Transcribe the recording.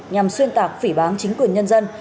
nhằm xuyên tạc phỉ bán chính quyền nhân dân